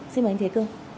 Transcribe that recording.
xin mời anh thế cương